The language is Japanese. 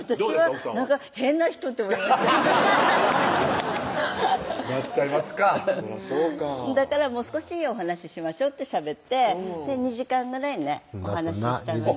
奥さんは変な人って思いましたなっちゃいますかそらそうかだから「もう少しお話しましょう」ってしゃべって２時間ぐらいねお話したよね